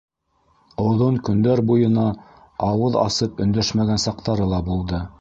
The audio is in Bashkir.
Оҙон көндәр буйына ауыҙ асып өндәшмәгән саҡтары ла булды.